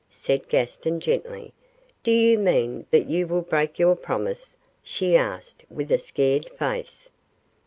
said Gaston, gently. 'Do you mean that you will break your promise?' she asked, with a scared face.